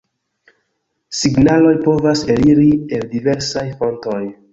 Signaloj povas eliri el diversaj fontoj.